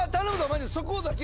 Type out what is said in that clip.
マジでそこだけは。